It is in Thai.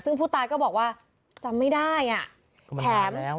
ซึ่งผู้ตายก็บอกว่าจำไม่ได้อ่ะแถม